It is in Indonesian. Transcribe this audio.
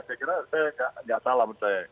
saya kira saya nggak salah menurut saya